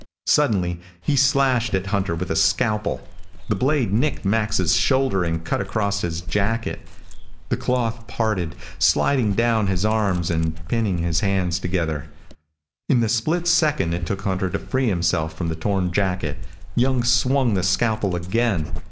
Suddenly he slashed at Hunter with a scalpel. The blade nicked Max's shoulder and cut across his jacket. The cloth parted, sliding down his arms and pinning his hands together. In the split second it took Hunter to free himself from the torn jacket, Young swung the scalpel again.